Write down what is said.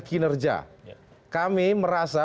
kinerja kami merasa